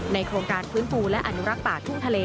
โครงการฟื้นฟูและอนุรักษ์ป่าทุ่งทะเล